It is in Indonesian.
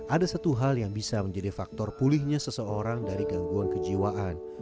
ada satu hal yang bisa menjadi faktor pulihnya seseorang dari gangguan kejiwaan